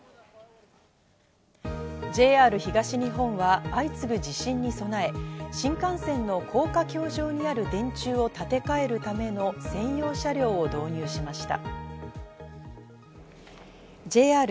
ＪＲ東日本は相次ぐ地震に備え、新幹線の高架橋上にある電柱を建て替えるための専用車両を導入しました。